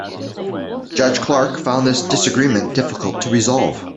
Judge Clark found this disagreement difficult to resolve.